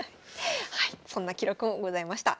はいそんな記録もございました。